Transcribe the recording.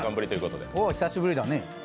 久しぶりだね。